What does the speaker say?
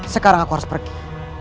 sekarang aku harus pergi